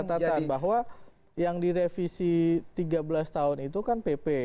nah itu yang menjadi catatan bahwa yang direvisi tiga belas tahun itu kan pp